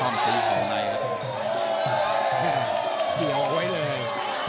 อำเดี๋ยวเอาไว้เลย